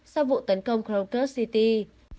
sau vụ tấn công kyrgyzstan